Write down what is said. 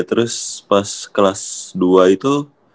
terus pas kelas dua itu